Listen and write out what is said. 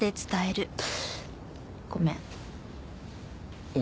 ごめん。